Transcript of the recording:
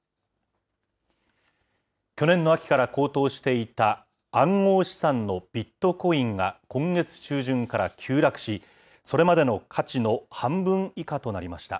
去年の秋から高騰していた暗号資産のビットコインが今月中旬から急落し、それまでの価値の半分以下となりました。